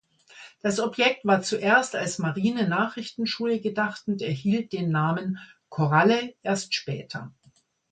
Das Objekt war zuerst als Marine-Nachrichtenschule gedacht und erhielt den Namen „Koralle“ erst später.